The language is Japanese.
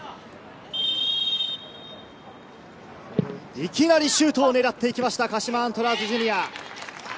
いきなりシュートを狙ってきました鹿島アントラーズジュニア。